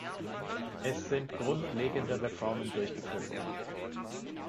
Es sind grundlegende Reformen durchgeführt worden.